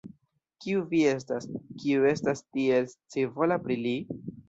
Kiu vi estas, kiu estas tiel scivola pri li?